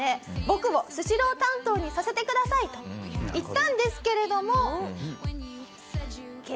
「僕をスシロー担当にさせてください！」と言ったんですけれども。